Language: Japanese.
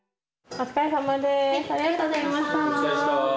お疲れさまでした。